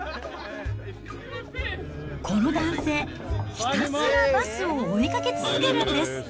この男性、ひたすらバスを追いかけ続けるんです。